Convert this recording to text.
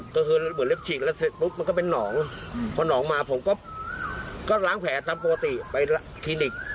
ตัดของผมเลย